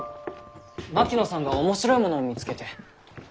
槙野さんが面白いものを見つけて。